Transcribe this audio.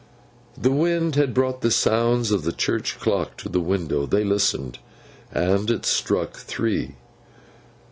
The wind brought the sounds of the church clock to the window. They listened, and it struck three.